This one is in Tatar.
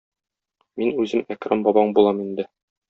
Мин үзем Әкрам бабаң булам инде.